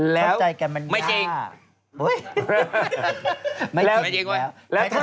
เข้าใจกันเป็นหน้า